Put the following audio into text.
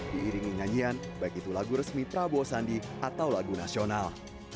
diiringi nyanyian baik itu lagu resmi prabowo sandi atau lagu nasional